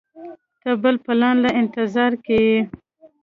ته به پلان له انتظار کيې.